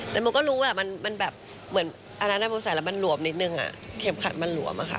แต่มึงก็รู้อะมันแบบเหมือนอะไรอ่ะนั่น